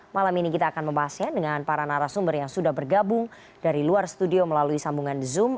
malam ini kita akan membahasnya dengan para narasumber yang sudah bergabung dari luar studio melalui sambungan zoom